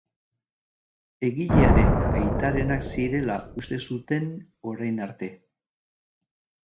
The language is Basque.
Egilearen aitarenak zirela uste zuten orain arte.